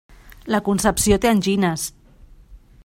La Concepció té angines.